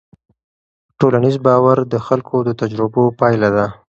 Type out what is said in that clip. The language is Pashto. ټولنیز باور د خلکو د تجربو پایله ده.